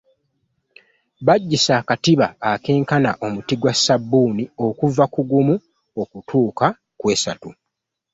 Bajjisa akatiba akenkana n’omuti gwa ssabbuuni okuva ku gumu okutuuka kw’esatu.